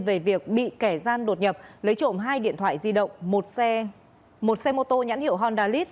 về việc bị kẻ gian đột nhập lấy trộm hai điện thoại di động một xe mô tô nhãn hiệu hondalit